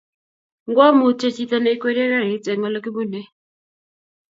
Ngowo Mutyo chito neikwerie garit eng olegibunei